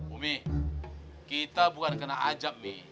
umi kita bukan kena ajab nih